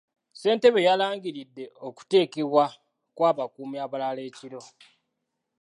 Ssentebe yalangiridde okuteekebwa kw'abakuumi abalala ekiro.